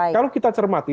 kalau kita cermati